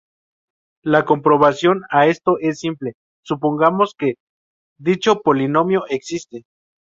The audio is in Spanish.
La comprobación a esto es simple: Supongamos que dicho polinomio existe.